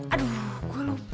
aduh gue lupa